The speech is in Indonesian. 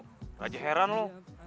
gak aja heran lo